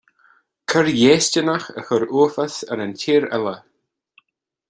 Coir dhéistineach a chuir uafás ar an tír uile